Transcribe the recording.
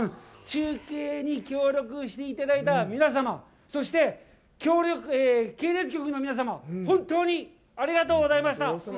中継に協力していただいた皆様、そして系列局の皆様、本当にありがとうございました！